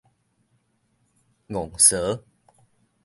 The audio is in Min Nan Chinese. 戇趖